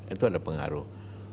itu ada pengaruh